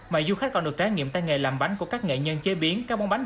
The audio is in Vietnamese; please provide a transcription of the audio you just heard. mà du khách còn được trải nghiệm tay nghề làm bánh của các nghệ nhân chế biến các món bánh